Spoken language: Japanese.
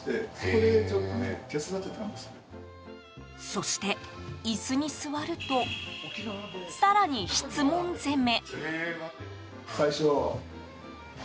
そして、椅子に座ると更に質問攻め。